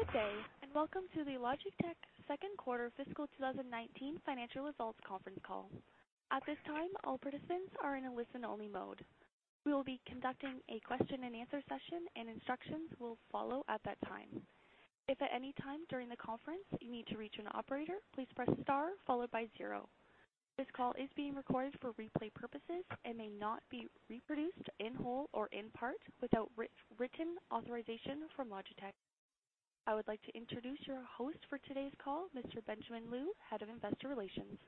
Good day, welcome to the Logitech second quarter fiscal 2019 financial results conference call. At this time, all participants are in a listen-only mode. We will be conducting a question and answer session, instructions will follow at that time. If at any time during the conference you need to reach an operator, please press star followed by 0. This call is being recorded for replay purposes and may not be reproduced in whole or in part without written authorization from Logitech. I would like to introduce your host for today's call, Mr. Benjamin Lu, Head of Investor Relations.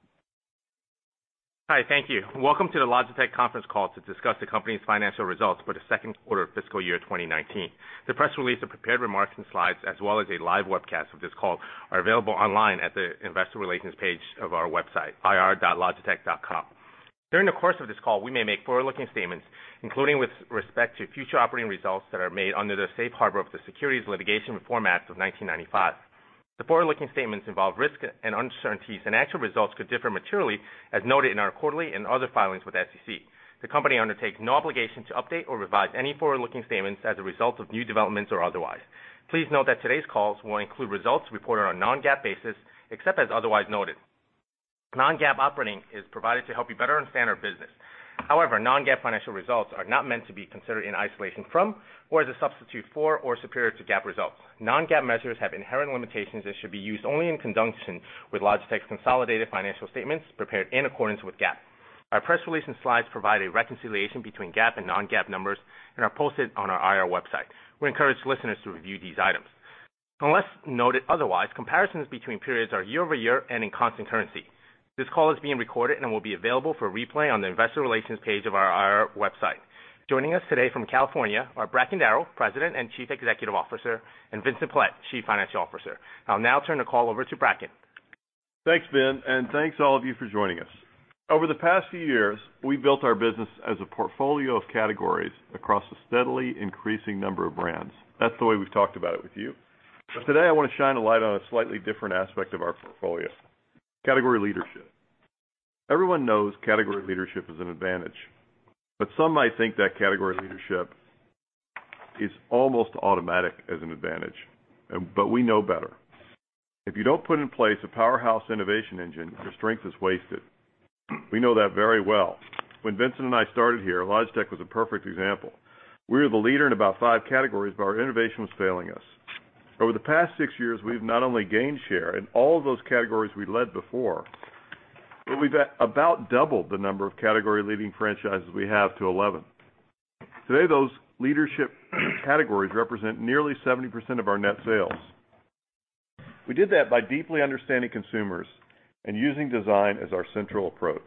Hi, thank you. Welcome to the Logitech conference call to discuss the company's financial results for the second quarter of fiscal year 2019. The press release, prepared remarks and slides, as well as a live webcast of this call, are available online at the investor relations page of our website, ir.logitech.com. During the course of this call, we may make forward-looking statements, including with respect to future operating results, that are made under the safe harbor of the Private Securities Litigation Reform Act of 1995. The forward-looking statements involve risks and uncertainties, actual results could differ materially, as noted in our quarterly and other filings with the SEC. The company undertakes no obligation to update or revise any forward-looking statements as a result of new developments or otherwise. Please note that today's calls will include results reported on a non-GAAP basis, except as otherwise noted. Non-GAAP operating is provided to help you better understand our business. However, non-GAAP financial results are not meant to be considered in isolation from or as a substitute for or superior to GAAP results. Non-GAAP measures have inherent limitations and should be used only in conjunction with Logitech's consolidated financial statements prepared in accordance with GAAP. Our press release and slides provide a reconciliation between GAAP and non-GAAP numbers and are posted on our IR website. We encourage listeners to review these items. Unless noted otherwise, comparisons between periods are year-over-year and in constant currency. This call is being recorded and will be available for replay on the investor relations page of our IR website. Joining us today from California are Bracken Darrell, President and Chief Executive Officer, and Vincent Pilette, Chief Financial Officer. I'll now turn the call over to Bracken. Thanks, Ben, thanks all of you for joining us. Over the past few years, we've built our business as a portfolio of categories across a steadily increasing number of brands. That's the way we've talked about it with you. Today, I want to shine a light on a slightly different aspect of our portfolio, category leadership. Everyone knows category leadership is an advantage, but some might think that category leadership is almost automatic as an advantage, but we know better. If you don't put in place a powerhouse innovation engine, your strength is wasted. We know that very well. When Vincent and I started here, Logitech was a perfect example. We were the leader in about five categories, but our innovation was failing us. Over the past six years, we've not only gained share in all of those categories we led before, but we've about doubled the number of category-leading franchises we have to 11. Today, those leadership categories represent nearly 70% of our net sales. We did that by deeply understanding consumers and using design as our central approach.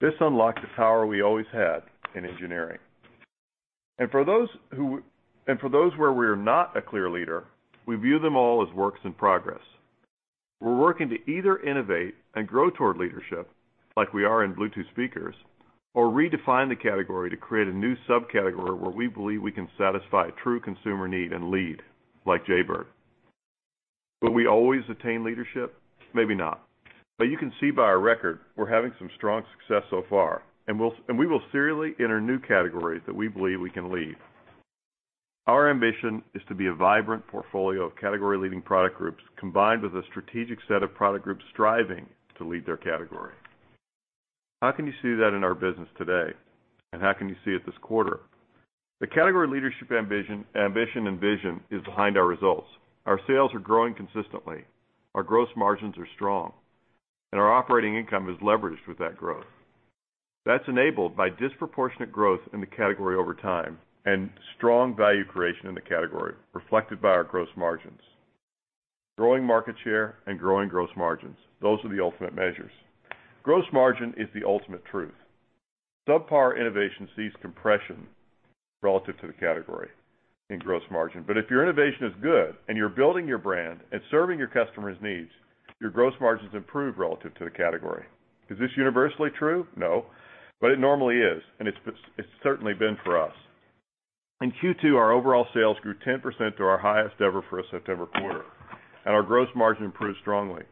This unlocked the power we always had in engineering. For those where we are not a clear leader, we view them all as works in progress. We're working to either innovate and grow toward leadership, like we are in Bluetooth speakers, or redefine the category to create a new subcategory where we believe we can satisfy a true consumer need and lead, like Jaybird. Will we always attain leadership? Maybe not. You can see by our record, we're having some strong success so far, and we will serially enter new categories that we believe we can lead. Our ambition is to be a vibrant portfolio of category-leading product groups, combined with a strategic set of product groups striving to lead their category. How can you see that in our business today, and how can you see it this quarter? The category leadership ambition and vision is behind our results. Our sales are growing consistently, our gross margins are strong, and our operating income is leveraged with that growth. That's enabled by disproportionate growth in the category over time and strong value creation in the category, reflected by our gross margins. Growing market share and growing gross margins, those are the ultimate measures. Gross margin is the ultimate truth. Subpar innovation sees compression relative to the category in gross margin. If your innovation is good and you're building your brand and serving your customers' needs, your gross margins improve relative to the category. Is this universally true? No, but it normally is, and it's certainly been for us. In Q2, our overall sales grew 10% to our highest ever for a September quarter, and our gross margin improved strongly.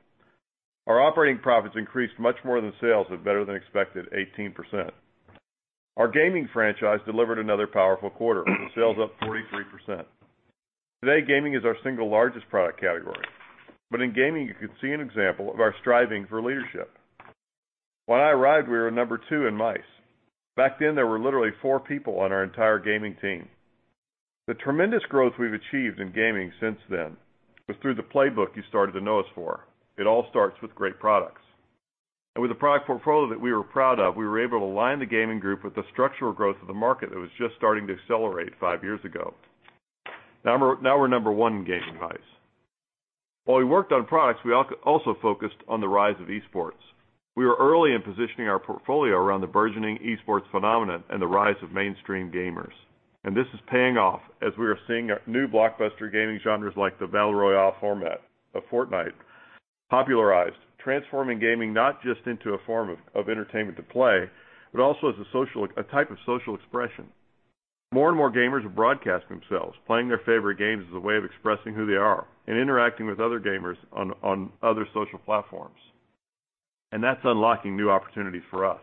Our operating profits increased much more than sales at a better-than-expected 18%. Our gaming franchise delivered another powerful quarter, with sales up 43%. Today, gaming is our single largest product category. In gaming, you could see an example of our striving for leadership. When I arrived, we were number two in mice. Back then, there were literally four people on our entire gaming team. The tremendous growth we've achieved in gaming since then was through the playbook you started to know us for. It all starts with great products. With a product portfolio that we were proud of, we were able to align the gaming group with the structural growth of the market that was just starting to accelerate five years ago. Now we're number one in gaming mice. While we worked on products, we also focused on the rise of esports. We were early in positioning our portfolio around the burgeoning esports phenomenon and the rise of mainstream gamers. This is paying off as we are seeing new blockbuster gaming genres like the Battle Royale format of Fortnite popularized, transforming gaming not just into a form of entertainment to play, but also as a type of social expression. More and more gamers are broadcasting themselves, playing their favorite games as a way of expressing who they are and interacting with other gamers on other social platforms. That's unlocking new opportunities for us.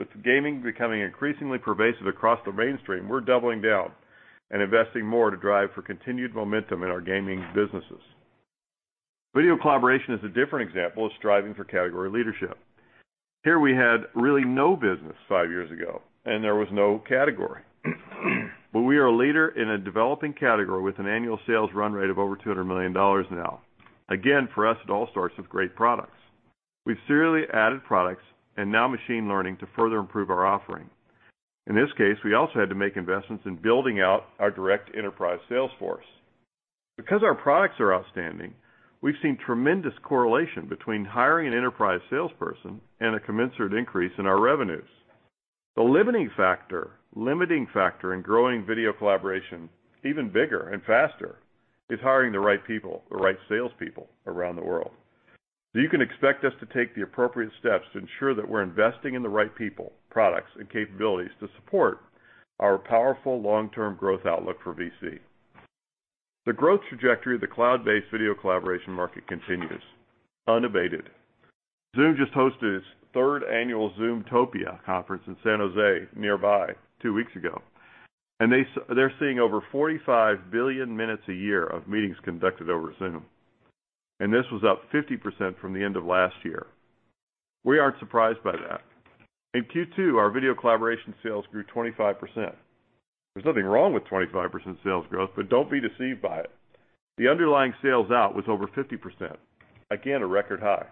With gaming becoming increasingly pervasive across the mainstream, we're doubling down and investing more to drive for continued momentum in our gaming businesses. Video collaboration is a different example of striving for category leadership. Here we had really no business five years ago, there was no category. We are a leader in a developing category with an annual sales run rate of over $200 million now. Again, for us it all starts with great products. We've serially added products and now machine learning to further improve our offering. In this case, we also had to make investments in building out our direct enterprise sales force. Because our products are outstanding, we've seen tremendous correlation between hiring an enterprise salesperson and a commensurate increase in our revenues. The limiting factor in growing video collaboration even bigger and faster is hiring the right people, the right salespeople around the world. You can expect us to take the appropriate steps to ensure that we're investing in the right people, products, and capabilities to support our powerful long-term growth outlook for VC. The growth trajectory of the cloud-based video collaboration market continues, unabated. Zoom just hosted its third annual Zoomtopia conference in San Jose nearby two weeks ago, they're seeing over 45 billion minutes a year of meetings conducted over Zoom. This was up 50% from the end of last year. We aren't surprised by that. In Q2, our video collaboration sales grew 25%. There's nothing wrong with 25% sales growth, but don't be deceived by it. The underlying sales out was over 50%. Again, a record high.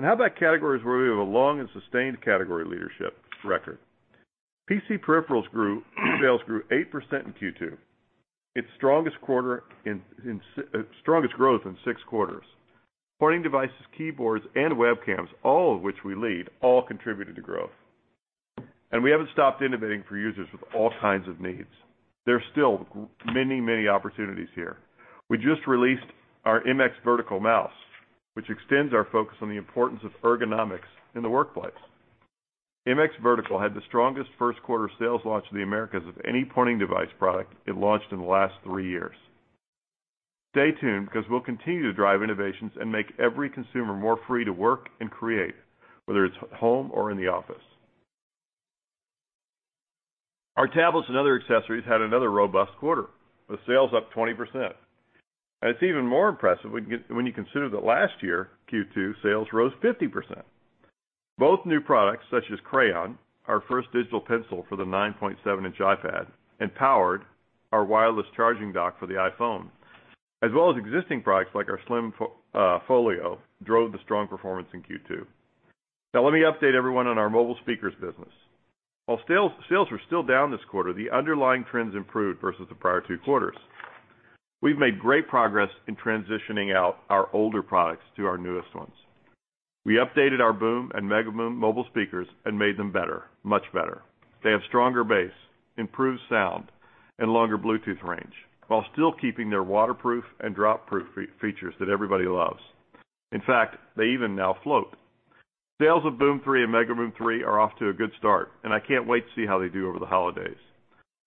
How about categories where we have a long and sustained category leadership record? PC peripherals sales grew 8% in Q2, its strongest growth in six quarters. Pointing devices, keyboards, and webcams, all of which we lead, all contributed to growth. We haven't stopped innovating for users with all kinds of needs. There's still many opportunities here. We just released our MX Vertical Mouse, which extends our focus on the importance of ergonomics in the workplace. MX Vertical had the strongest first quarter sales launch in the Americas of any pointing device product it launched in the last three years. Stay tuned, because we'll continue to drive innovations and make every consumer more free to work and create, whether it's at home or in the office. Our tablets and other accessories had another robust quarter, with sales up 20%. It's even more impressive when you consider that last year, Q2 sales rose 50%. Both new products such as Crayon, our first digital pencil for the 9.7-inch iPad, and POWERED, our wireless charging dock for the iPhone, as well as existing products like our Slim Folio, drove the strong performance in Q2. Now let me update everyone on our mobile speakers business. While sales were still down this quarter, the underlying trends improved versus the prior two quarters. We've made great progress in transitioning out our older products to our newest ones. We updated our BOOM and MEGABOOM mobile speakers and made them better, much better. They have stronger bass, improved sound, and longer Bluetooth range, while still keeping their waterproof and drop-proof features that everybody loves. In fact, they even now float. Sales of BOOM 3 and MEGABOOM 3 are off to a good start. I can't wait to see how they do over the holidays.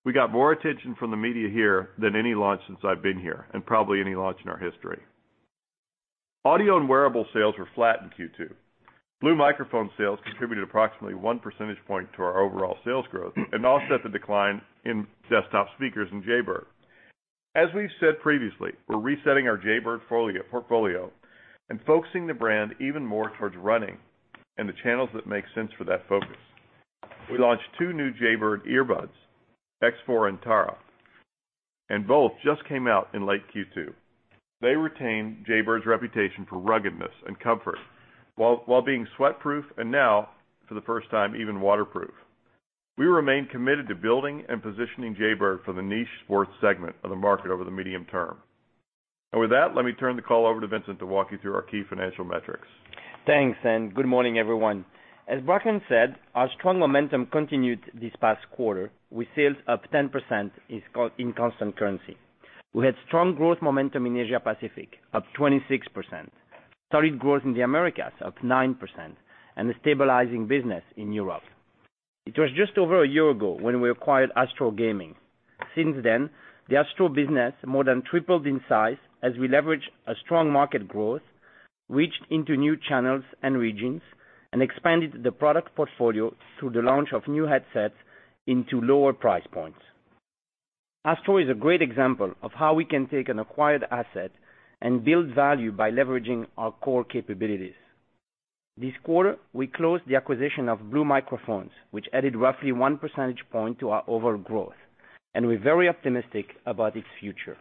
We got more attention from the media here than any launch since I've been here, and probably any launch in our history. Audio and wearable sales were flat in Q2. Blue Microphones sales contributed approximately one percentage point to our overall sales growth and offset the decline in desktop speakers and Jaybird. As we've said previously, we're resetting our Jaybird portfolio and focusing the brand even more towards running and the channels that make sense for that focus. We launched two new Jaybird earbuds, X4 and Tarah. Both just came out in late Q2. They retain Jaybird's reputation for ruggedness and comfort while being sweatproof and now, for the first time, even waterproof. We remain committed to building and positioning Jaybird for the niche sports segment of the market over the medium term. With that, let me turn the call over to Vincent to walk you through our key financial metrics. Thanks, and good morning, everyone. As Bracken said, our strong momentum continued this past quarter with sales up 10% in constant currency. We had strong growth momentum in Asia Pacific, up 26%, solid growth in the Americas, up 9%, and a stabilizing business in Europe. It was just over a year ago when we acquired ASTRO Gaming. Since then, the ASTRO business more than tripled in size as we leveraged a strong market growth, reached into new channels and regions, and expanded the product portfolio through the launch of new headsets into lower price points. ASTRO is a great example of how we can take an acquired asset and build value by leveraging our core capabilities. This quarter, we closed the acquisition of Blue Microphones, which added roughly one percentage point to our overall growth. We're very optimistic about its future.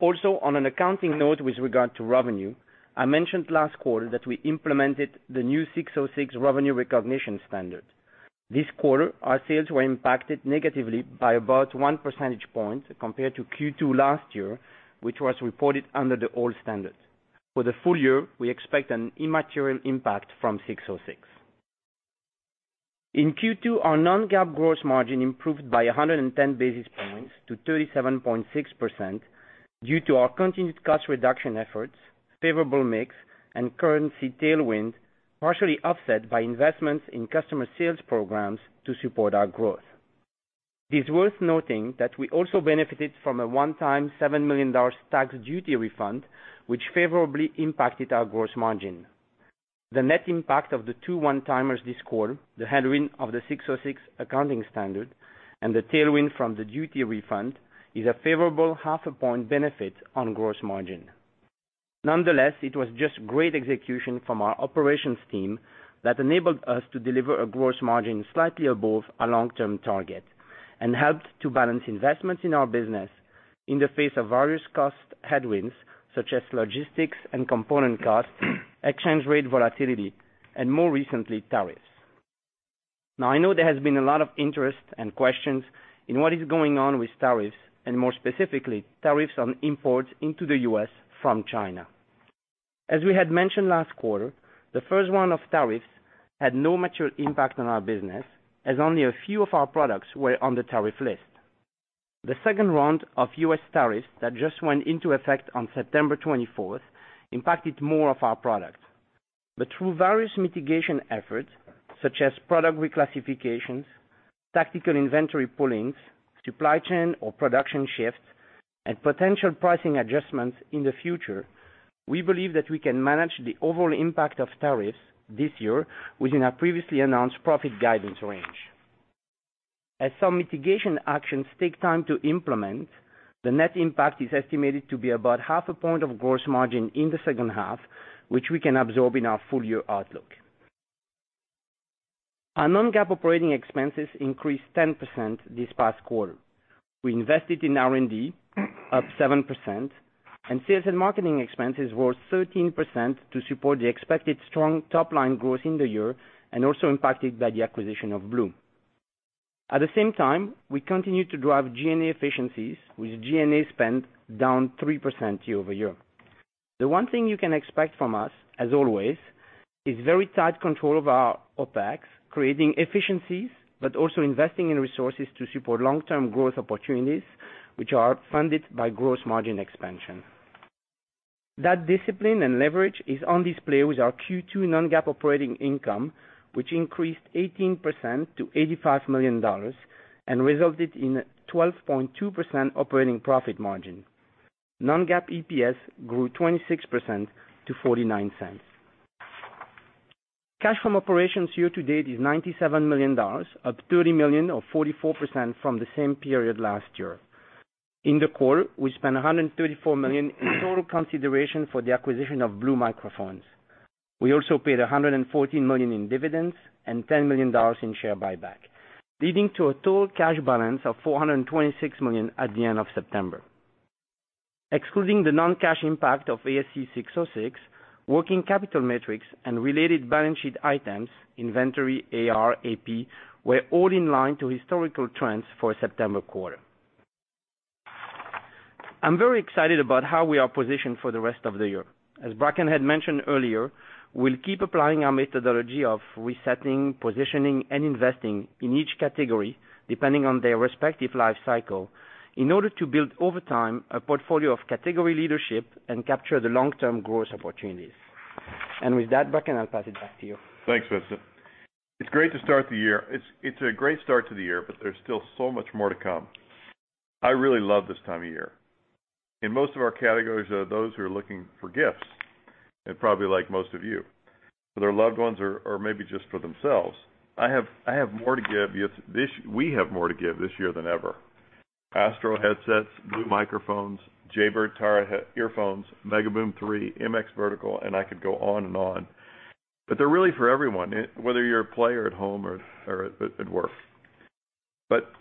On an accounting note with regard to revenue, I mentioned last quarter that we implemented the new 606 revenue recognition standard. This quarter, our sales were impacted negatively by about one percentage point compared to Q2 last year, which was reported under the old standard. For the full year, we expect an immaterial impact from 606. In Q2, our non-GAAP gross margin improved by 110 basis points to 37.6% due to our continued cost reduction efforts, favorable mix, and currency tailwind, partially offset by investments in customer sales programs to support our growth. It is worth noting that we also benefited from a one-time $7 million tax duty refund, which favorably impacted our gross margin. The net impact of the two one-timers this quarter, the headwind of the 606 accounting standard, and the tailwind from the duty refund, is a favorable half a point benefit on gross margin. Nonetheless, it was just great execution from our operations team that enabled us to deliver a gross margin slightly above our long-term target and helped to balance investments in our business in the face of various cost headwinds, such as logistics and component costs, exchange rate volatility, and more recently, tariffs. I know there has been a lot of interest and questions in what is going on with tariffs, and more specifically, tariffs on imports into the U.S. from China. As we had mentioned last quarter, the first round of tariffs had no material impact on our business as only a few of our products were on the tariff list. The second round of U.S. tariffs that just went into effect on September 24th impacted more of our products. Through various mitigation efforts such as product reclassifications, tactical inventory pullings, supply chain or production shifts, and potential pricing adjustments in the future, we believe that we can manage the overall impact of tariffs this year within our previously announced profit guidance range. As some mitigation actions take time to implement, the net impact is estimated to be about half a point of gross margin in the second half, which we can absorb in our full-year outlook. Our non-GAAP operating expenses increased 10% this past quarter. We invested in R&D, up 7%, and sales and marketing expenses were 13% to support the expected strong top-line growth in the year and also impacted by the acquisition of Blue. At the same time, we continued to drive G&A efficiencies with G&A spend down 3% year-over-year. The one thing you can expect from us, as always, is very tight control of our OpEx, creating efficiencies, but also investing in resources to support long-term growth opportunities, which are funded by gross margin expansion. That discipline and leverage is on display with our Q2 non-GAAP operating income, which increased 18% to $85 million and resulted in a 12.2% operating profit margin. Non-GAAP EPS grew 26% to $0.49. Cash from operations year to date is $97 million, up $30 million or 44% from the same period last year. In the quarter, we spent $134 million in total consideration for the acquisition of Blue Microphones. We also paid $114 million in dividends and $10 million in share buyback, leading to a total cash balance of $426 million at the end of September. Excluding the non-cash impact of ASC 606, working capital metrics and related balance sheet items, inventory, AR, AP, were all in line to historical trends for September quarter. I'm very excited about how we are positioned for the rest of the year. As Bracken had mentioned earlier, we'll keep applying our methodology of resetting, positioning, and investing in each category, depending on their respective life cycle, in order to build over time a portfolio of category leadership and capture the long-term growth opportunities. With that, Bracken, I'll pass it back to you. Thanks, Vincent. It's a great start to the year, but there's still so much more to come. I really love this time of year. In most of our categories are those who are looking for gifts, and probably like most of you, for their loved ones or maybe just for themselves. We have more to give this year than ever. Astro headsets, Blue Microphones, Jaybird Tarah earphones, MEGABOOM 3, MX Vertical, I could go on and on. They're really for everyone, whether you're a player at home or at work.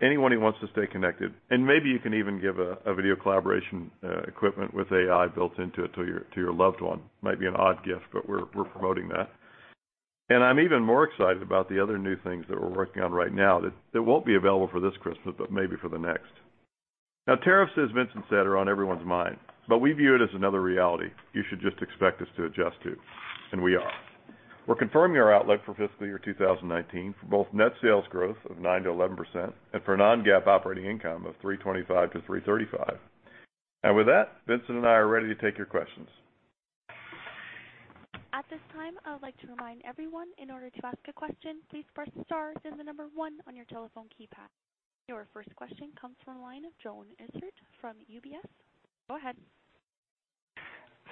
Anyone who wants to stay connected, and maybe you can even give a video collaboration equipment with AI built into it to your loved one. Might be an odd gift, but we're promoting that. I'm even more excited about the other new things that we're working on right now that won't be available for this Christmas, but maybe for the next. Now, tariffs, as Vincent said, are on everyone's mind, but we view it as another reality you should just expect us to adjust to, and we are. We're confirming our outlook for fiscal year 2019 for both net sales growth of 9%-11% and for non-GAAP operating income of $325-$335. With that, Vincent and I are ready to take your questions. At this time, I would like to remind everyone, in order to ask a question, please press star then the number one on your telephone keypad. Your first question comes from the line of Joern Iffert from UBS. Go ahead.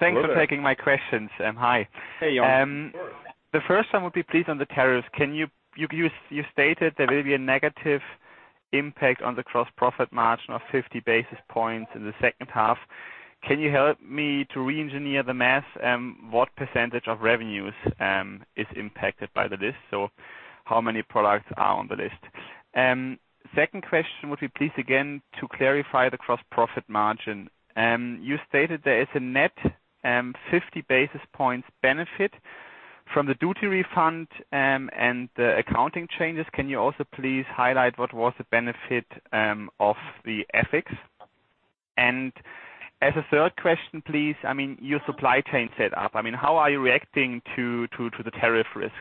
Thanks for taking my questions. Hi. Hey, Joern. Sure. The first one would be, please, on the tariffs. You stated there will be a negative impact on the gross profit margin of 50 basis points in the second half. Can you help me to re-engineer the math? What percentage of revenues is impacted by the list? How many products are on the list? Second question would be, please, again, to clarify the gross profit margin. You stated there is a net 50 basis points benefit from the duty refund and the accounting changes. Can you also please highlight what was the benefit of the OpEx? As a third question, please, your supply chain set up, how are you reacting to the tariff risk?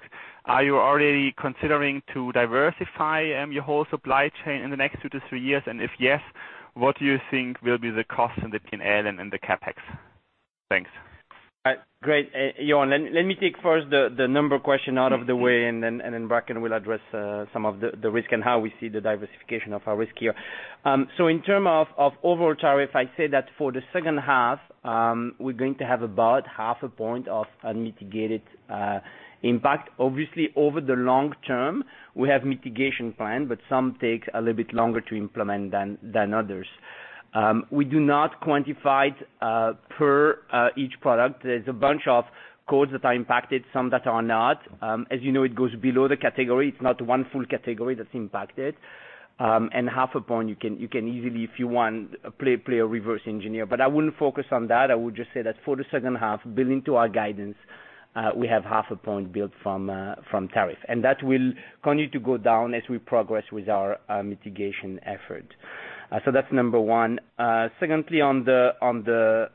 Are you already considering to diversify your whole supply chain in the next two to three years? If yes, what do you think will be the cost in the P&L and the CapEx? Thanks. Great. Joern, let me take first the number question out of the way, then Bracken will address some of the risk and how we see the diversification of our risk here. In terms of overall tariff, I'd say that for the second half, we're going to have about half a point of unmitigated impact. Obviously, over the long term, we have mitigation plan, but some takes a little bit longer to implement than others. We do not quantify per each product. There's a bunch of codes that are impacted, some that are not. As you know, it goes below the category. It's not one full category that's impacted. Half a point, you can easily, if you want, play a reverse engineer. I wouldn't focus on that. I would just say that for the second half, built into our guidance, we have half a point built from tariff. That will continue to go down as we progress with our mitigation effort. That's number 1. Secondly, on the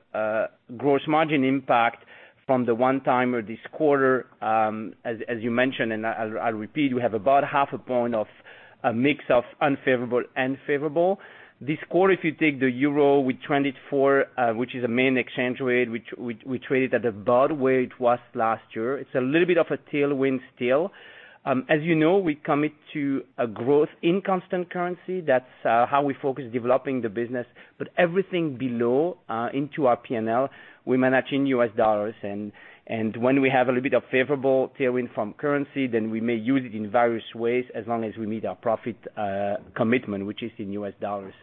gross margin impact from the one-timer this quarter, as you mentioned, and I'll repeat, we have about half a point of a mix of unfavorable and favorable. This quarter, if you take the euro, we traded four, which is a main exchange rate, which we traded at about where it was last year. It's a little bit of a tailwind still. As you know, we commit to a growth in constant currency. That's how we focus developing the business. Everything below into our P&L, we manage in US dollars. When we have a little bit of favorable tailwind from currency, then we may use it in various ways as long as we meet our profit commitment, which is in US dollars.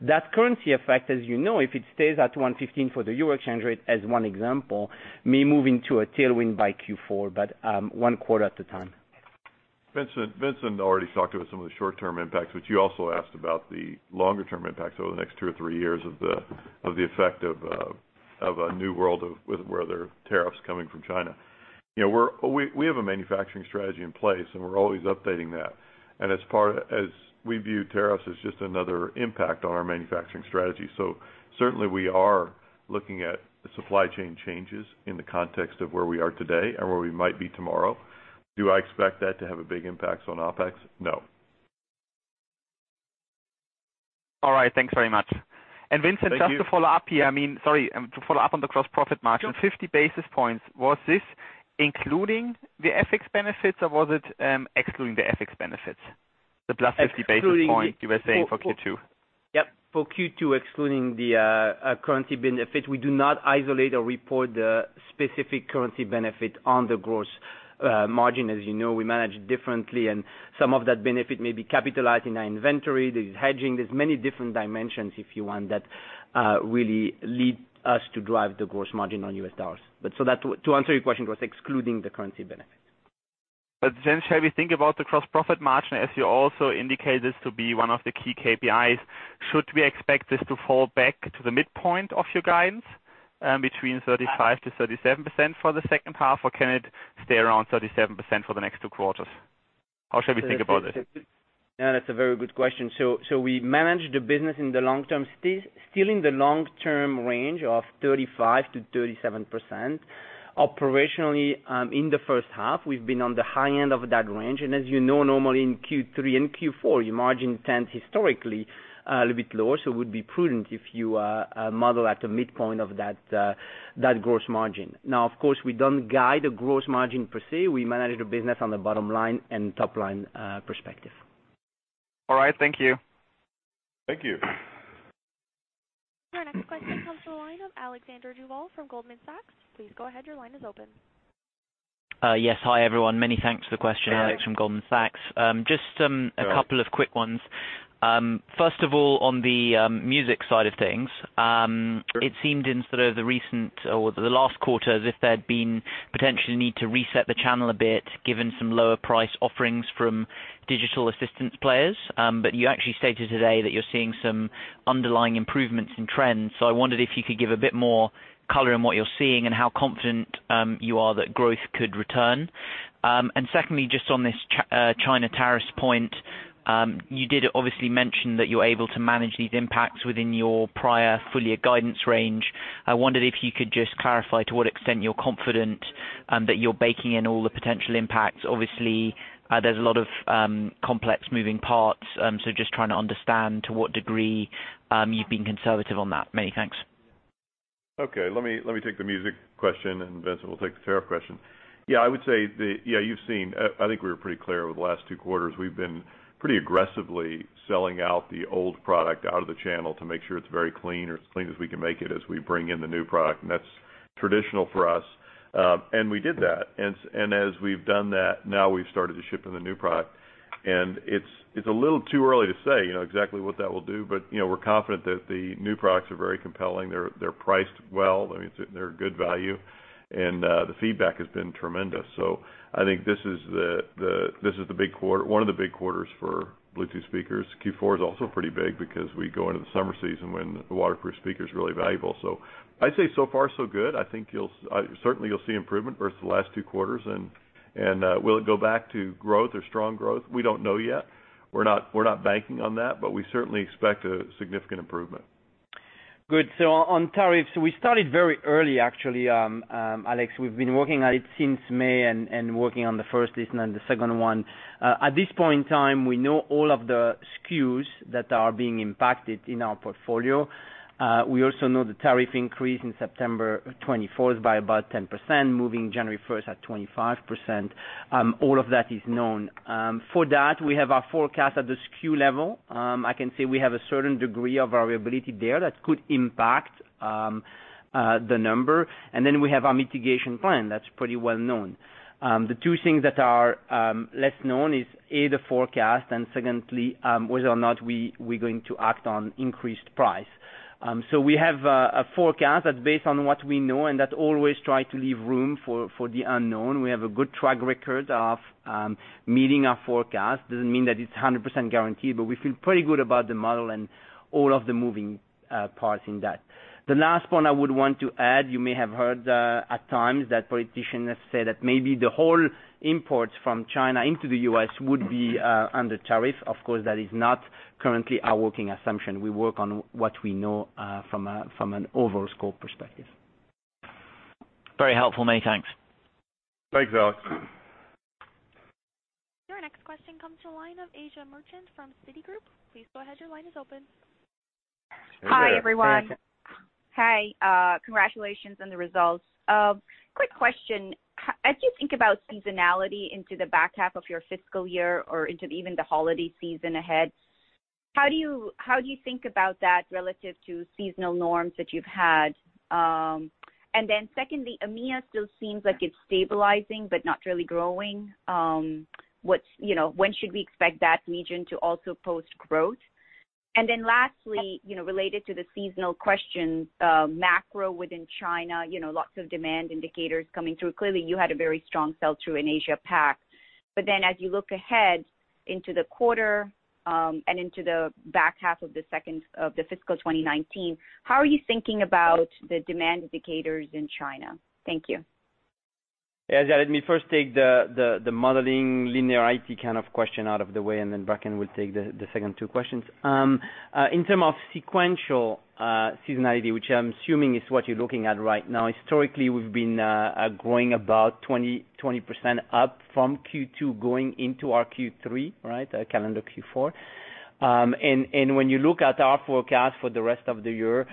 That currency effect, as you know, if it stays at 115 for the EUR exchange rate, as one example, may move into a tailwind by Q4, but one quarter at a time. Vincent already talked about some of the short-term impacts, but you also asked about the longer-term impacts over the next two or three years of the effect of a new world of where there are tariffs coming from China. We have a manufacturing strategy in place, and we're always updating that. As we view tariffs as just another impact on our manufacturing strategy. Certainly, we are looking at the supply chain changes in the context of where we are today and where we might be tomorrow. Do I expect that to have a big impact on OpEx? No. All right. Thanks very much. Thank you. Vincent, just to follow up here, to follow up on the gross profit margin, 50 basis points, was this including the FX benefits, or was it excluding the FX benefits? The +50 basis points you were saying for Q2. Yep. For Q2, excluding the currency benefit, we do not isolate or report the specific currency benefit on the gross margin. As you know, we manage differently, and some of that benefit may be capitalized in our inventory. There's hedging, there's many different dimensions, if you want, that really lead us to drive the gross margin on U.S. dollars. To answer your question, it was excluding the currency benefit. Shall we think about the gross profit margin as you also indicated this to be one of the key KPIs? Should we expect this to fall back to the midpoint of your guidance between 35%-37% for the second half, or can it stay around 37% for the next two quarters? How should we think about it? That's a very good question. We manage the business in the long term, still in the long term range of 35%-37%. Operationally, in the first half, we've been on the high end of that range. As you know, normally in Q3 and Q4, your margin tends historically a little bit lower. It would be prudent if you model at the midpoint of that gross margin. Of course, we don't guide a gross margin per se. We manage the business on the bottom line and top line perspective. All right. Thank you. Thank you. Your next question comes from the line of Alexander Duval from Goldman Sachs. Please go ahead. Your line is open. Yes. Hi, everyone. Many thanks for the question. Alex from Goldman Sachs. Just a couple of quick ones. First of all, on the music side of things, it seemed in sort of the recent or the last quarter as if there'd been potentially need to reset the channel a bit, given some lower price offerings from digital assistants players. You actually stated today that you're seeing some underlying improvements in trends. I wondered if you could give a bit more color on what you're seeing and how confident you are that growth could return. Secondly, just on this China tariffs point, you did obviously mention that you're able to manage these impacts within your prior full year guidance range. I wondered if you could just clarify to what extent you're confident that you're baking in all the potential impacts. Obviously, there's a lot of complex moving parts, so just trying to understand to what degree you've been conservative on that. Many thanks. Okay. Let me take the music question, and Vincent will take the tariff question. Yeah, I would say that, you've seen, I think we were pretty clear over the last two quarters, we've been pretty aggressively selling out the old product out of the channel to make sure it's very clean or it's clean as we can make it as we bring in the new product, and that's traditional for us. We did that, as we've done that, now we've started to ship in the new product, and it's a little too early to say exactly what that will do, but we're confident that the new products are very compelling. They're priced well. They're good value, and the feedback has been tremendous. I think this is one of the big quarters for Bluetooth speakers. Q4 is also pretty big because we go into the summer season when the waterproof speaker is really valuable. I'd say so far so good. I think certainly you'll see improvement versus the last two quarters. Will it go back to growth or strong growth? We don't know yet. We're not banking on that, but we certainly expect a significant improvement. Good. On tariffs, we started very early actually, Alex. We've been working at it since May and working on the first list and the second one. At this point in time, we know all of the SKUs that are being impacted in our portfolio. We also know the tariff increase in September 24th by about 10%, moving January 1st at 25%. All of that is known. For that, we have our forecast at the SKU level. I can say we have a certain degree of variability there that could impact the number. Then we have our mitigation plan, that's pretty well known. The two things that are less known is, A, the forecast, and secondly, whether or not we're going to act on increased price. We have a forecast that's based on what we know and that always try to leave room for the unknown. We have a good track record of meeting our forecast. Doesn't mean that it's 100% guaranteed, but we feel pretty good about the model and all of the moving parts in that. The last point I would want to add, you may have heard, at times, that politicians say that maybe the whole imports from China into the U.S. would be under tariff. Of course, that is not currently our working assumption. We work on what we know from an overall score perspective. Very helpful, many thanks. Thanks, Alex. Your next question comes to line of Asiya Merchant from Citigroup. Please go ahead. Your line is open. Asiya. Hi, everyone. Hi, congratulations on the results. Quick question. As you think about seasonality into the back half of your fiscal year or into even the holiday season ahead, how do you think about that relative to seasonal norms that you've had? Secondly, EMEA still seems like it's stabilizing but not really growing. When should we expect that region to also post growth? Lastly, related to the seasonal question, macro within China, lots of demand indicators coming through. Clearly, you had a very strong sell-through in Asia Pac. As you look ahead into the quarter, and into the back half of the fiscal 2019, how are you thinking about the demand indicators in China? Thank you. Asiya, let me first take the modeling linearity kind of question out of the way. Bracken will take the second two questions. In terms of sequential seasonality, which I'm assuming is what you're looking at right now, historically, we've been growing about 20% up from Q2 going into our Q3, calendar Q4. When you look at our forecast for the rest of the year,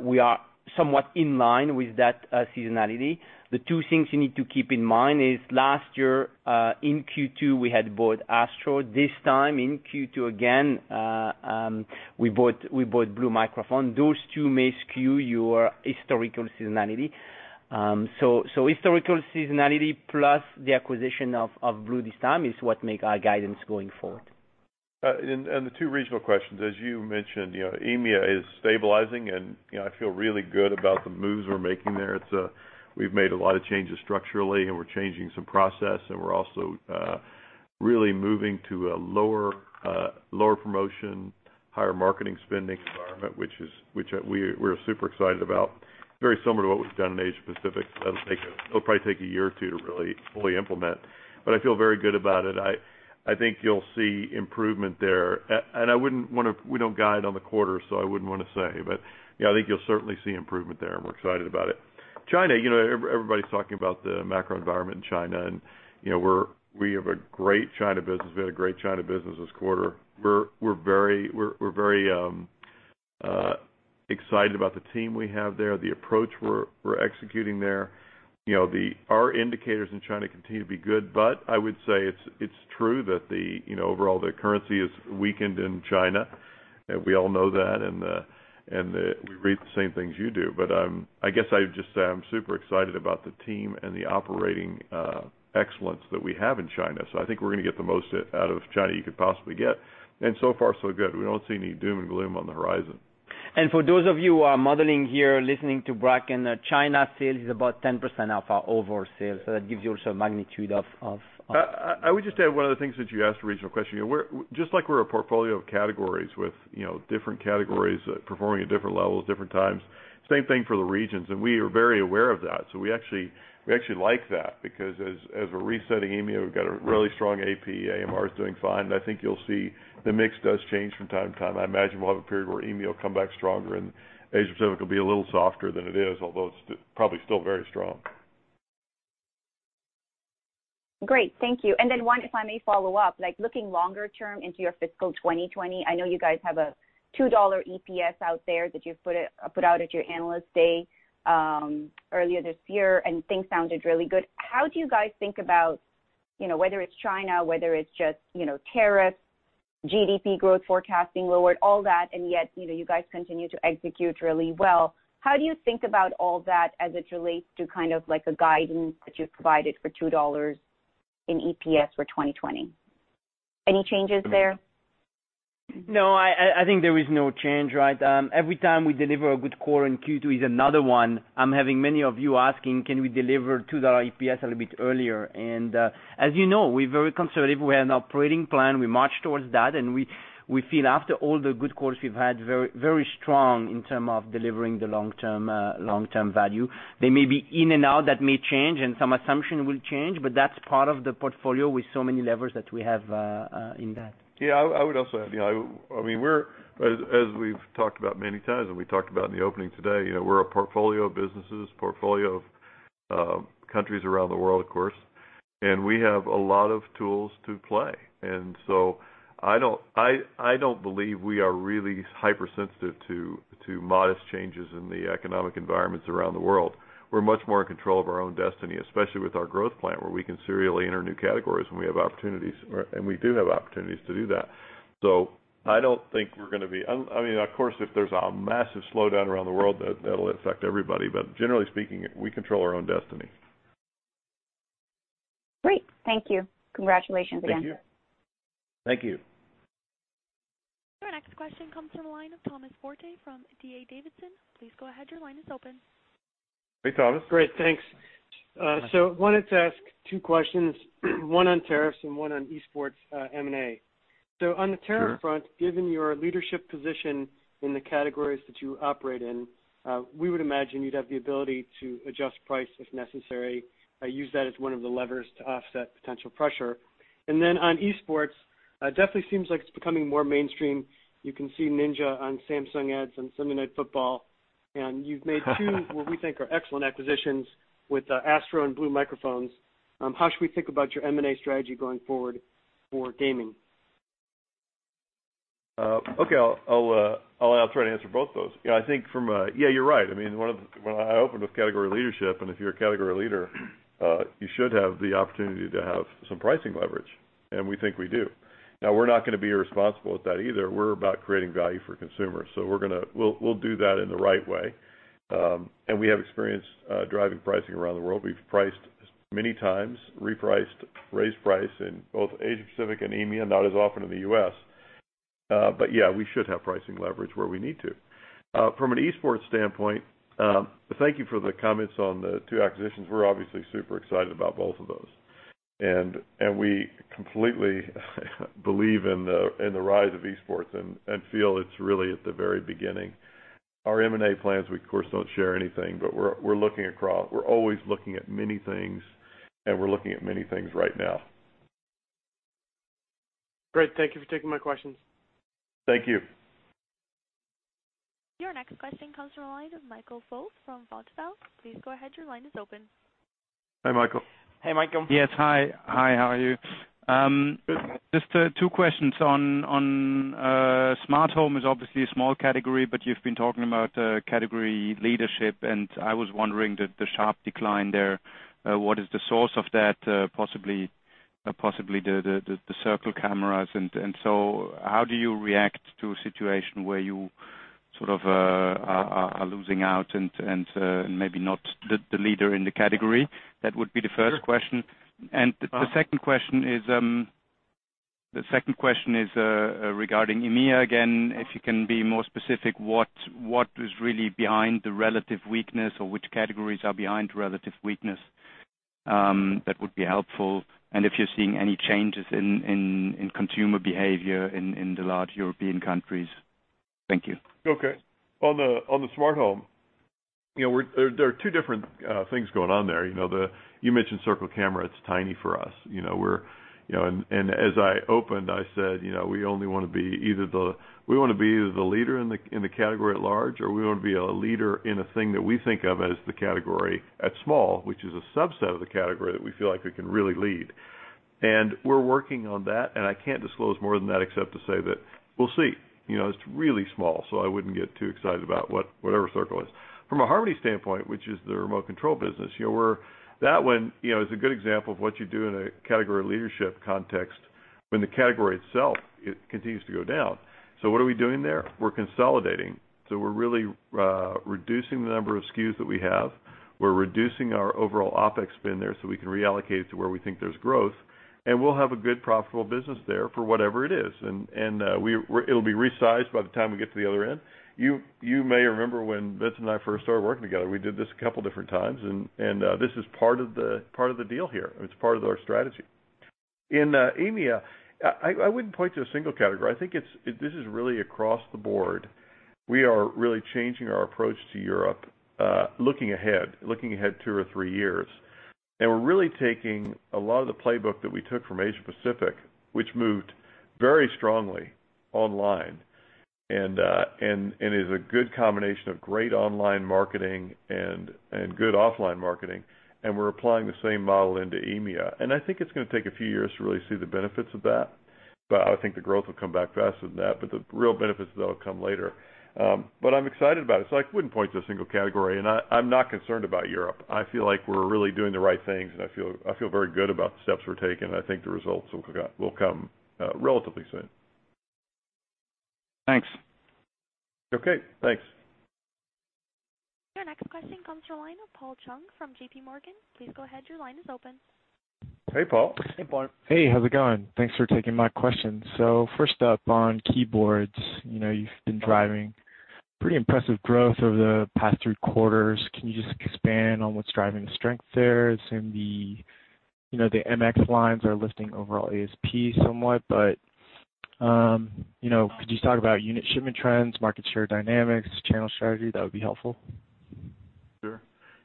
we are somewhat in line with that seasonality. The two things you need to keep in mind is last year, in Q2, we had bought Astro. This time in Q2 again, we bought Blue Microphones. Those two may skew your historical seasonality. Historical seasonality plus the acquisition of Blue this time is what make our guidance going forward. The two regional questions, as you mentioned, EMEA is stabilizing and I feel really good about the moves we're making there. We've made a lot of changes structurally, and we're changing some process, and we're also really moving to a lower promotion, higher marketing spending environment, which we're super excited about. Very similar to what we've done in Asia Pacific. It'll probably take a year or two to really fully implement, but I feel very good about it. I think you'll see improvement there. We don't guide on the quarter, so I wouldn't want to say, but I think you'll certainly see improvement there, and we're excited about it. China, everybody's talking about the macro environment in China, and we have a great China business. We had a great China business this quarter. We're very excited about the team we have there, the approach we're executing there. Our indicators in China continue to be good. I would say it's true that overall the currency is weakened in China. We all know that. We read the same things you do. I guess I'd just say I'm super excited about the team and the operating excellence that we have in China. I think we're going to get the most out of China you could possibly get. So far, so good. We don't see any doom and gloom on the horizon. For those of you who are modeling here listening to Bracken, China sales is about 10% of our overall sales. That gives you also a magnitude. I would just add one of the things that you asked, a regional question. Like we're a portfolio of categories with different categories performing at different levels, different times, same thing for the regions. We are very aware of that. We actually like that because as we're resetting EMEA, we've got a really strong AP. AMR is doing fine. I think you'll see the mix does change from time to time. I imagine we'll have a period where EMEA will come back stronger and Asia Pacific will be a little softer than it is, although it's probably still very strong. Great. Thank you. Then one, if I may follow up, like looking longer term into your fiscal 2020, I know you guys have a $2 EPS out there that you put out at your Analyst Day earlier this year. Things sounded really good. How do you guys think about whether it's China, whether it's just tariffs, GDP growth forecasting lowered, all that, yet you guys continue to execute really well. How do you think about all that as it relates to kind of like a guidance that you've provided for $2 in EPS for 2020? Any changes there? No, I think there is no change. Every time we deliver a good quarter, Q2 is another one, I'm having many of you asking, can we deliver $2 EPS a little bit earlier? As you know, we're very conservative. We have an operating plan. We march towards that, and we feel after all the good quarters we've had, very strong in terms of delivering the long-term value. They may be in and out, that may change, and some assumption will change, but that's part of the portfolio with so many levers that we have in that. Yeah, I would also add, as we've talked about many times, and we talked about in the opening today, we're a portfolio of businesses, portfolio of countries around the world, of course, and we have a lot of tools to play. I don't believe we are really hypersensitive to modest changes in the economic environments around the world. We're much more in control of our own destiny, especially with our growth plan, where we can serially enter new categories when we have opportunities. We do have opportunities to do that. Of course, if there's a massive slowdown around the world, that'll affect everybody. Generally speaking, we control our own destiny. Great. Thank you. Congratulations again. Thank you. Our next question comes from the line of Thomas Forte from D.A. Davidson. Please go ahead. Your line is open. Hey, Thomas. Great. Thanks. Wanted to ask two questions, one on tariffs and one on esports M&A. Sure. On the tariff front, given your leadership position in the categories that you operate in, we would imagine you'd have the ability to adjust price if necessary, use that as one of the levers to offset potential pressure. On esports, definitely seems like it's becoming more mainstream. You can see Ninja on Samsung ads on Sunday Night Football, you've made two, what we think are excellent acquisitions with Astro and Blue Microphones. How should we think about your M&A strategy going forward for gaming? Okay. I'll try to answer both those. You're right. I opened with category leadership, if you're a category leader, you should have the opportunity to have some pricing leverage, we think we do. Now, we're not going to be irresponsible with that either. We're about creating value for consumers. We'll do that in the right way. We have experience driving pricing around the world. We've priced many times, repriced, raised price in both Asia-Pacific and EMEA, not as often in the U.S. Yeah, we should have pricing leverage where we need to. From an esports standpoint, thank you for the comments on the two acquisitions. We're obviously super excited about both of those. We completely believe in the rise of esports and feel it's really at the very beginning. Our M&A plans, we of course, don't share anything, but we're always looking at many things, and we're looking at many things right now. Great. Thank you for taking my questions. Thank you. Your next question comes from the line of Michael Foeth from Vontobel. Please go ahead. Your line is open. Hey, Michael. Hey, Michael. Yes. Hi. How are you? Just two questions on, smart home is obviously a small category, but you've been talking about category leadership, I was wondering, the sharp decline there, what is the source of that, possibly the Circle cameras. How do you react to a situation where you sort of are losing out and maybe not the leader in the category? That would be the first question. Sure. The second question is regarding EMEA again, if you can be more specific what is really behind the relative weakness or which categories are behind relative weakness, that would be helpful. If you're seeing any changes in consumer behavior in the large European countries. Thank you. Okay. On the smart home, there are two different things going on there. You mentioned Circle camera. It's tiny for us. As I opened, I said, we want to be either the leader in the category at large, or we want to be a leader in a thing that we think of as the category at small, which is a subset of the category that we feel like we can really lead. We're working on that, and I can't disclose more than that except to say that we'll see. It's really small, so I wouldn't get too excited about whatever Circle is. From a Harmony standpoint, which is the remote control business, that one is a good example of what you do in a category leadership context when the category itself, it continues to go down. What are we doing there? We're consolidating. We're really reducing the number of SKUs that we have. We're reducing our overall OpEx spend there so we can reallocate to where we think there's growth, and we'll have a good profitable business there for whatever it is. It'll be resized by the time we get to the other end. You may remember when Vincent and I first started working together, we did this a couple different times, and this is part of the deal here. It's part of our strategy. In EMEA, I wouldn't point to a single category. I think this is really across the board. We are really changing our approach to Europe, looking ahead two or three years. We're really taking a lot of the playbook that we took from Asia-Pacific, which moved very strongly online and is a good combination of great online marketing and good offline marketing, and we're applying the same model into EMEA. I think it's going to take a few years to really see the benefits of that. I think the growth will come back faster than that, but the real benefits, though, will come later. I'm excited about it, so I wouldn't point to a single category, and I'm not concerned about Europe. I feel like we're really doing the right things, and I feel very good about the steps we're taking. I think the results will come relatively soon. Thanks. Okay. Thanks. Your next question comes from the line of Paul Chung from JPMorgan. Please go ahead. Your line is open. Hey, Paul. Hey, Paul. Hey, how's it going? Thanks for taking my question. First up on keyboards, you've been driving pretty impressive growth over the past three quarters. Can you just expand on what's driving the strength there? I assume the MX lines are lifting overall ASP somewhat, but could you talk about unit shipment trends, market share dynamics, channel strategy? That would be helpful. Sure.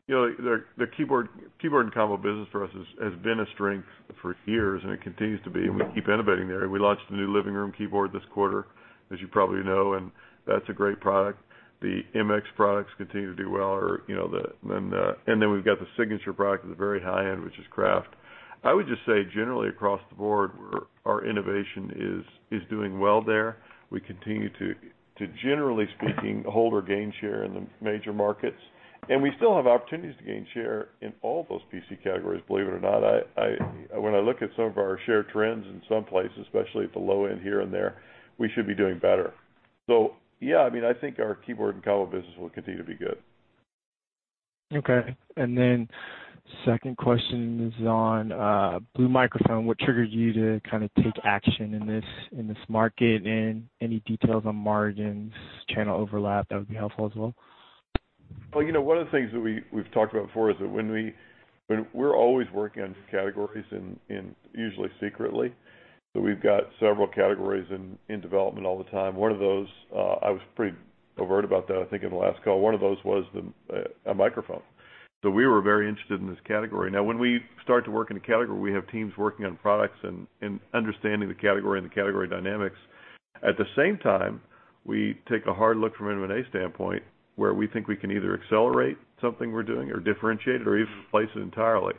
The keyboard and combo business for us has been a strength for years, and it continues to be, and we keep innovating there. We launched a new living room keyboard this quarter, as you probably know, and that's a great product. The MX products continue to do well. We've got the signature product at the very high end, which is Craft. I would just say, generally across the board, our innovation is doing well there. We continue to, generally speaking, hold or gain share in the major markets, and we still have opportunities to gain share in all those PC categories, believe it or not. When I look at some of our share trends in some places, especially at the low end here and there, we should be doing better. Yeah, I think our keyboard and combo business will continue to be good. Okay. Second question is on Blue Microphone. What triggered you to take action in this market, and any details on margins, channel overlap, that would be helpful as well. One of the things that we've talked about before is that we're always working on categories, and usually secretly. We've got several categories in development all the time. One of those, I was pretty overt about that, I think, in the last call. One of those was a microphone. We were very interested in this category. Now, when we start to work in a category, we have teams working on products and understanding the category and the category dynamics. At the same time, we take a hard look from an M&A standpoint, where we think we can either accelerate something we're doing or differentiate it or even replace it entirely.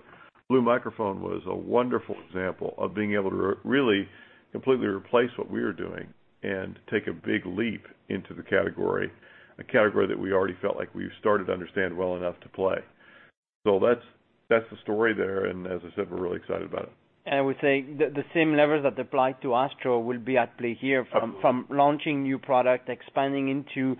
Blue Microphone was a wonderful example of being able to really completely replace what we were doing and take a big leap into the category, a category that we already felt like we've started to understand well enough to play. That's the story there. As I said, we're really excited about it. I would say that the same levers that applied to Astro will be at play here. Absolutely From launching new product, expanding into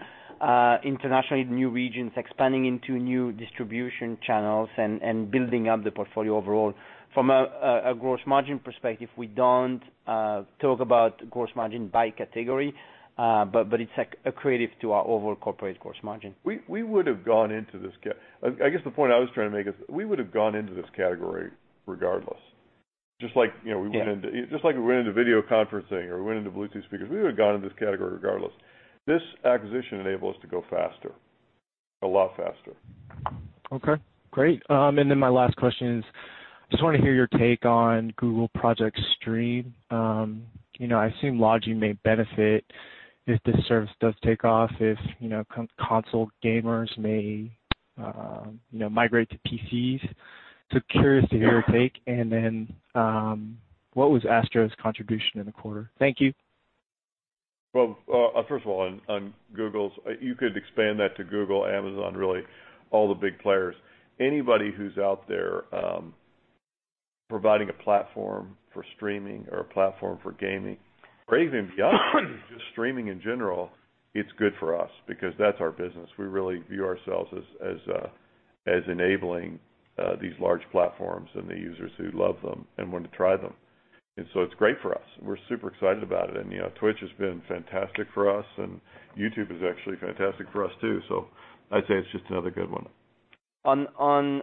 international, new regions, expanding into new distribution channels, and building up the portfolio overall. From a gross margin perspective, we don't talk about gross margin by category, but it's accretive to our overall corporate gross margin. I guess the point I was trying to make is, we would've gone into this category regardless. Just like. Yeah We went into video conferencing or we went into Bluetooth speakers. We would've gone into this category regardless. This acquisition enabled us to go faster. A lot faster. Okay, great. My last question is, I just want to hear your take on Google Project Stream. I assume Logitech may benefit if this service does take off, if console gamers may migrate to PCs. Curious to hear your take, and then what was Astro's contribution in the quarter? Thank you. Well, first of all, you could expand that to Google, Amazon, really all the big players. Anybody who's out there providing a platform for streaming or a platform for gaming, or even beyond, just streaming in general, it's good for us because that's our business. We really view ourselves as enabling these large platforms and the users who love them and want to try them. It's great for us. We're super excited about it. Twitch has been fantastic for us, and YouTube is actually fantastic for us, too. I'd say it's just another good one. On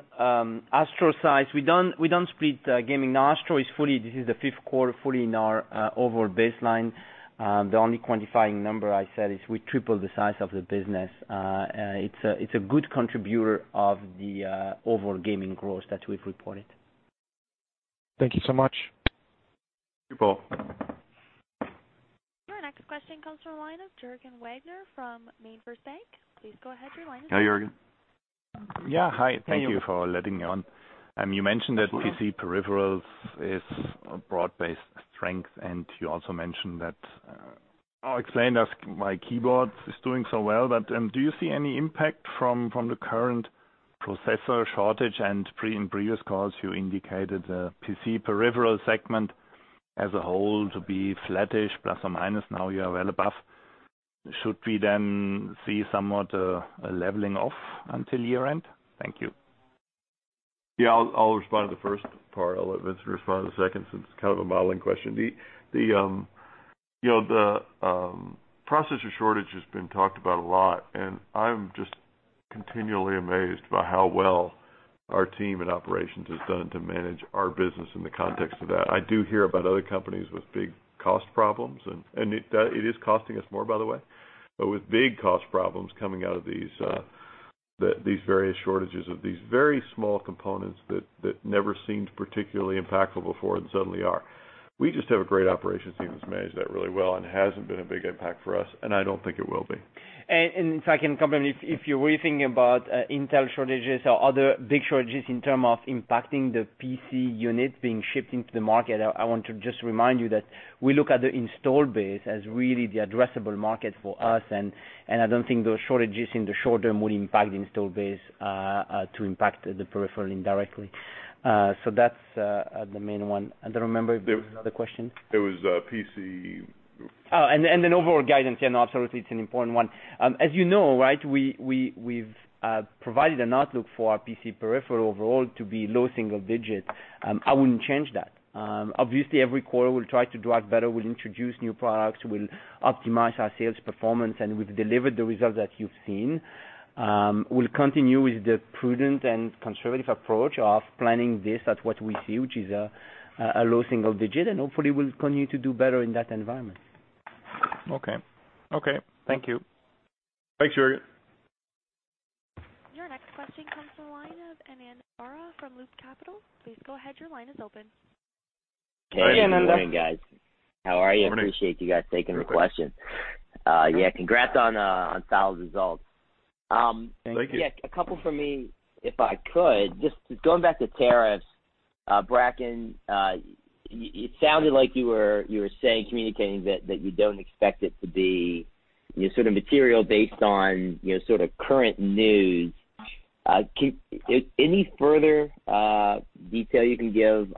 Astro's size, we don't split gaming. Astro, this is the fifth quarter fully in our overall baseline. The only quantifying number I said is we tripled the size of the business. It's a good contributor of the overall gaming growth that we've reported. Thank you so much. Thank you, Paul. Your next question comes from the line of Juergen Wagner from MainFirst Bank. Please go ahead, your line is open. Hi, Juergen. Yeah, hi. Thank you for letting me on. Absolutely. You mentioned that PC peripherals is a broad-based strength, you also mentioned that explained us why keyboard is doing so well, but do you see any impact from the current processor shortage? In previous calls, you indicated the PC peripheral segment as a whole to be flattish, plus or minus. Now you are well above. Should we then see somewhat a leveling off until year-end? Thank you. Yeah, I'll respond to the first part. I'll let Vincent respond to the second since it's kind of a modeling question. The processor shortage has been talked about a lot, and I'm just continually amazed by how well our team in operations has done to manage our business in the context of that. I do hear about other companies with big cost problems, and it is costing us more, by the way. With big cost problems coming out of these various shortages of these very small components that never seemed particularly impactful before and suddenly are. We just have a great operations team that's managed that really well and it hasn't been a big impact for us, and I don't think it will be. If I can comment, if you're really thinking about Intel shortages or other big shortages in terms of impacting the PC units being shipped into the market, I want to just remind you that we look at the install base as really the addressable market for us, and I don't think those shortages in the short term will impact the install base to impact the peripheral indirectly. That's the main one. I don't remember if there was another question. It was PC- Overall guidance. Absolutely, it's an important one. As you know, we've provided an outlook for our PC peripheral overall to be low single digits. I wouldn't change that. Obviously, every quarter we'll try to do out better. We'll introduce new products, we'll optimize our sales performance. We've delivered the results that you've seen. We'll continue with the prudent and conservative approach of planning this at what we see, which is a low single digit. Hopefully, we'll continue to do better in that environment. Okay. Thank you. Thanks, Juergen. Your next question comes from the line of Ananda Baruah from Loop Capital. Please go ahead, your line is open. Hey, good morning, guys. Good morning. How are you? I appreciate you guys taking the question. Yeah, congrats on solid results. Thank you. A couple from me, if I could. Just going back to tariffs, Bracken, it sounded like you were communicating that you don't expect it to be material based on current news. Any further detail you can give.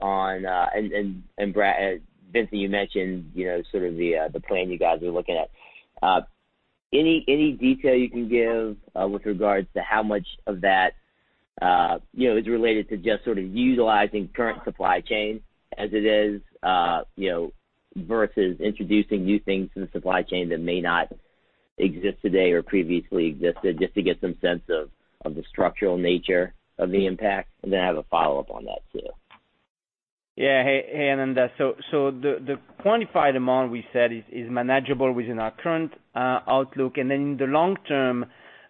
Vincent, you mentioned the plan you guys are looking at. Any detail you can give with regards to how much of that is related to just utilizing current supply chain as it is, versus introducing new things to the supply chain that may not exist today or previously existed, just to get some sense of the structural nature of the impact? I have a follow-up on that, too. Hey, Ananda. The quantified amount we said is manageable within our current outlook. In the long term,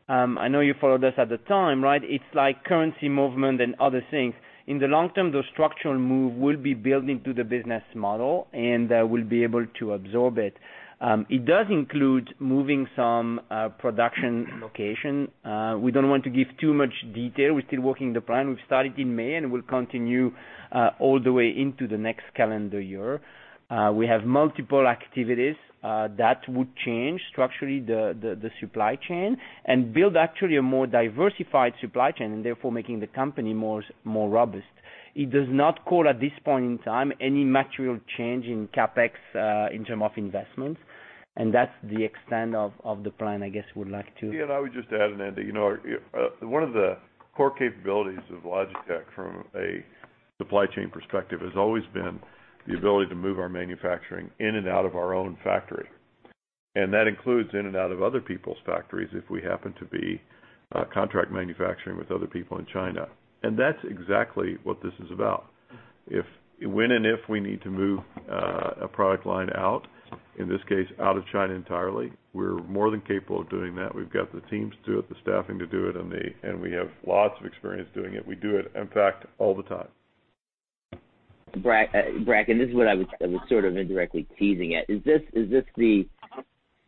I know you followed us at the time, right? It's like currency movement and other things. In the long term, the structural move will be built into the business model, and we'll be able to absorb it. It does include moving some production location. We don't want to give too much detail. We're still working the plan. We've started in May, and it will continue all the way into the next calendar year. We have multiple activities that would change, structurally, the supply chain and build actually a more diversified supply chain, and therefore making the company more robust. It does not call, at this point in time, any material change in CapEx in terms of investments. That's the extent of the plan, I guess. I would just add, Ananda, one of the core capabilities of Logitech from a supply chain perspective has always been the ability to move our manufacturing in and out of our own factory. That includes in and out of other people's factories, if we happen to be contract manufacturing with other people in China. That's exactly what this is about. When and if we need to move a product line out, in this case, out of China entirely, we're more than capable of doing that. We've got the teams to do it, the staffing to do it, and we have lots of experience doing it. We do it, in fact, all the time. Bracken, this is what I was sort of indirectly teasing at. Is this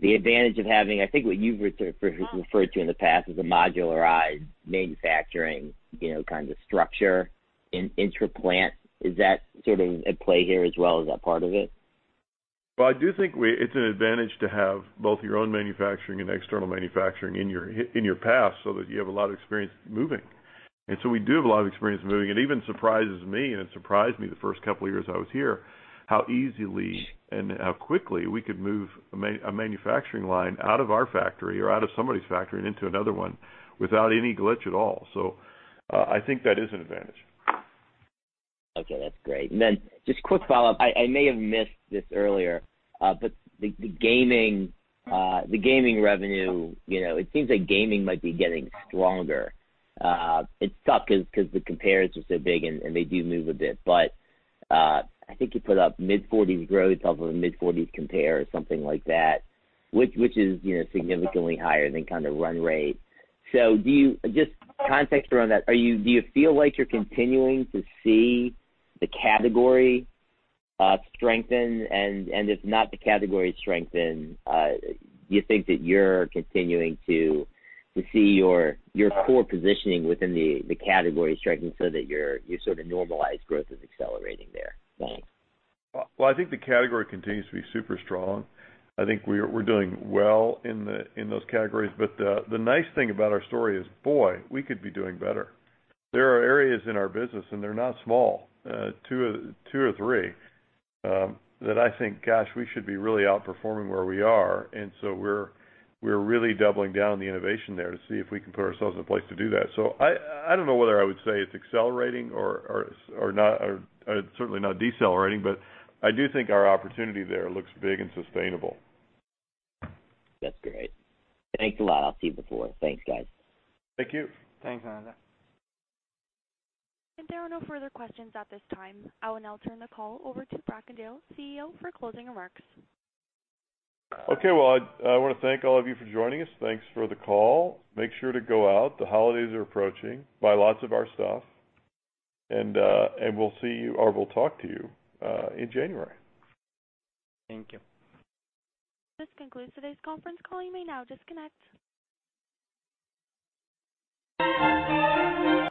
the advantage of having, I think, what you've referred to in the past as a modularized manufacturing kind of structure in intraplant? Is that sort of at play here as well? Is that part of it? Well, I do think it's an advantage to have both your own manufacturing and external manufacturing in your past so that you have a lot of experience moving. We do have a lot of experience moving, and even surprises me, and it surprised me the first couple of years I was here, how easily and how quickly we could move a manufacturing line out of our factory or out of somebody's factory and into another one without any glitch at all. I think that is an advantage. Okay, that's great. Just quick follow-up, I may have missed this earlier, the gaming revenue, it seems like gaming might be getting stronger. It's tough because the compares are so big, and they do move a bit, but I think you put up mid-forties growth off of a mid-forties compare or something like that, which is significantly higher than kind of run rate. Just context around that, do you feel like you're continuing to see the category strengthen? If not the category strengthen, do you think that you're continuing to see your core positioning within the category strengthening so that your sort of normalized growth is accelerating there? Thanks. Well, I think the category continues to be super strong. I think we're doing well in those categories. The nice thing about our story is, boy, we could be doing better. There are areas in our business, and they're not small, two or three, that I think, gosh, we should be really outperforming where we are. We're really doubling down on the innovation there to see if we can put ourselves in a place to do that. I don't know whether I would say it's accelerating or it's certainly not decelerating, I do think our opportunity there looks big and sustainable. That's great. Thanks a lot. I'll see you before. Thanks, guys. Thank you. Thanks, Ananda. There are no further questions at this time. I will now turn the call over to Bracken Darrell, CEO, for closing remarks. Okay, well, I want to thank all of you for joining us. Thanks for the call. Make sure to go out, the holidays are approaching. Buy lots of our stuff. We'll talk to you in January. Thank you. This concludes today's conference call. You may now disconnect.